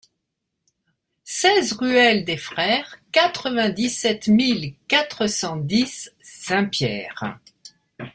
seize ruelle des Frères, quatre-vingt-dix-sept mille quatre cent dix Saint-Pierre